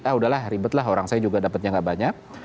ah udahlah ribetlah orang saya juga dapatnya nggak banyak